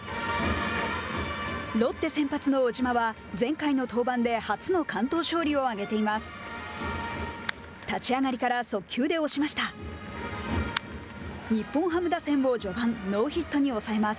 ロッテ先発の小島は前回の登板で初の完投勝利を挙げています。